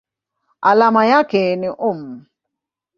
Alama yake ni µm.